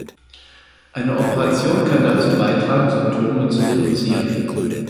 Eine Operation kann dazu beitragen Symptome zu reduzieren.